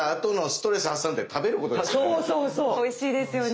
おいしいですよね。